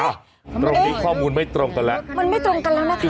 ตรงนี้ข้อมูลไม่ตรงกันแล้วมันไม่ตรงกันแล้วนะคะ